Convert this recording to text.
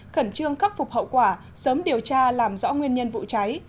khẩn trương khắc phục hậu quả sớm điều tra làm rõ nguyên nhân vụ cháy